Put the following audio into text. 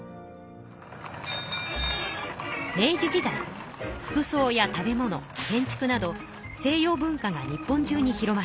明治時代服装や食べ物建築など西洋文化が日本じゅうに広まりました。